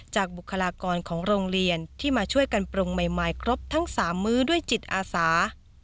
บุคลากรของโรงเรียนที่มาช่วยกันปรุงใหม่ครบทั้ง๓มื้อด้วยจิตอาสา